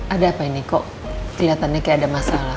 ada apa ini kok kelihatannya kayak ada masalah